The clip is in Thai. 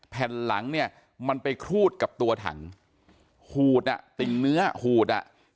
แผ่นหลังเนี่ยมันไปครูดกับตัวถังหูดอ่ะติ่งเนื้อหูดอ่ะ